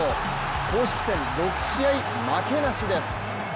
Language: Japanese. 公式戦６試合、負けなしです。